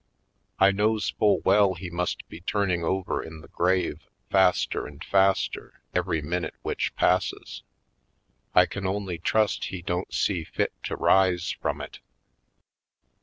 I knows full well he must be turn ing over in the grave faster and faster every minute which passes. I only can trust he don't see fit to rise from it.